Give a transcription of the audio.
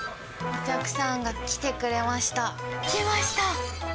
お客さんが来てくれました。来ました。